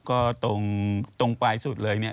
ก็ตรงปลายสุดเลย